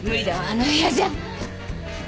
あの部屋じゃ。